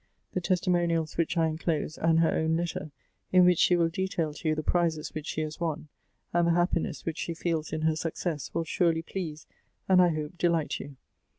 The testimonials which I inclose, and her own letter, in which she will detail to you the prizes which she has won, and the happiness which she feels in her success, will surely please, and I hope delight you.